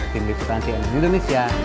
tim distansi indonesia juga